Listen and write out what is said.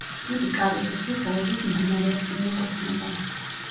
იგი კარიბის ზღვის აუზის მდინარეებს მიეკუთვნება.